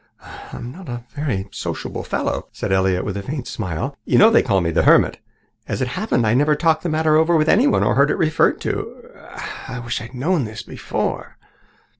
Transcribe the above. "I'm not a very sociable fellow," said Elliott with a faint smile. "You know they call me 'the hermit.' As it happened, I never talked the matter over with anyone or heard it referred to. I I wish I had known this before."